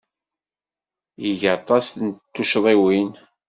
Iga aṭas n tuccḍiwin.